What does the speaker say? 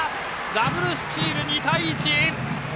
ダブルスチール、２対１。